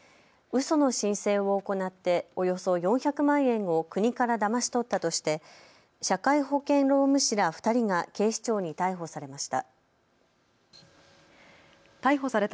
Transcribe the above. その申請を行っておよそ４００万円を国からだまし取ったとして社会保険労務士ら２人が警視庁に逮捕されました。